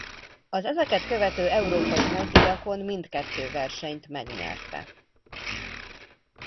Az ezeket követő európai nagydíjakon mindkettő versenyt megnyerte.